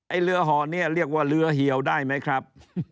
เรือห่อนี้เรียกว่าเรือเหี่ยวได้ไหมครับ